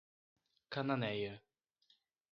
Cananéia